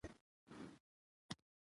زه د ښو دوستانو ملګرتیا خوښوم.